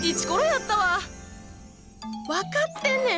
分かってんねん。